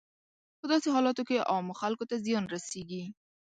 په داسې حالاتو کې عامو خلکو ته زیان رسیږي.